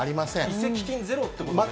移籍金ゼロということですか？